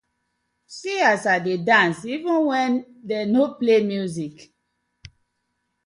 See as I dey dance even wen dem no play music.